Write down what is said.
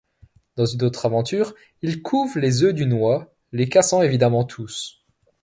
Dans une autre aventure il couve les œufs d'une oie, les cassant évidemment tous.